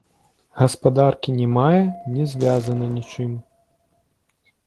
Гаспадаркі не мае, не звязана нічым.